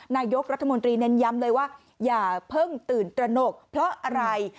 นายกรัฐมนตรีเน้นย้ำเลยว่าอย่าเพิ่งตื่นตระหนกเพราะอะไร